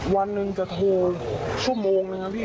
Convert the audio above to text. วันหนึ่งจะโทรชั่วโมงนะครับพี่